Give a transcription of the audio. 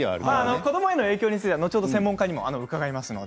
子どもへの影響は後ほど専門家にも伺います。